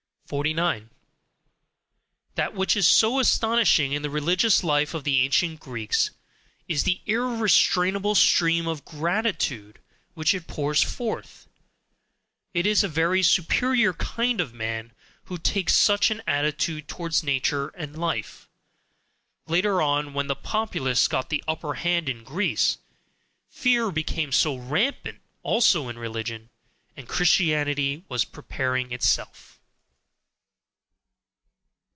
49. That which is so astonishing in the religious life of the ancient Greeks is the irrestrainable stream of GRATITUDE which it pours forth it is a very superior kind of man who takes SUCH an attitude towards nature and life. Later on, when the populace got the upper hand in Greece, FEAR became rampant also in religion; and Christianity was preparing itself.